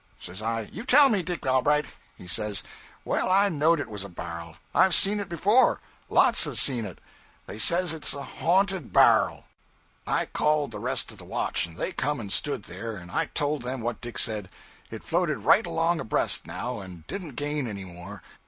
Says I '"You tell me, Dick Allbright." He says '"Well, I knowed it was a bar'l; I've seen it before; lots has seen it; they says it's a haunted bar'l." 'I called the rest of the watch, and they come and stood there, and I told them what Dick said. It floated right along abreast, now, and didn't gain any more.